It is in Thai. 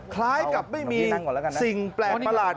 คล้ายกับไม่มีสิ่งแปลกประหลาด